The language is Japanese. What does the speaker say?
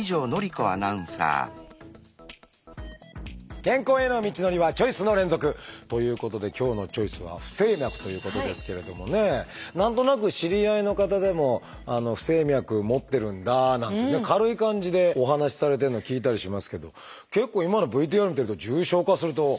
健康への道のりはチョイスの連続！ということで今日の「チョイス」は何となく知り合いの方でも「不整脈持ってるんだ」なんてね軽い感じでお話しされてるのを聞いたりしますけど結構今のＶＴＲ見てると重症化すると怖いですよね。